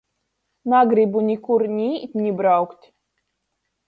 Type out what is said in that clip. Nagrybu nikur ni īt, ni braukt!